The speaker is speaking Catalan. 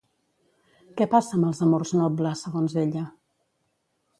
Què passa amb els amors nobles, segons ella?